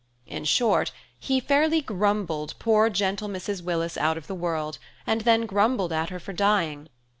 In short, he fairly grumbled poor gentle Mrs. Willis out of the world, and then grumbled at her for dying.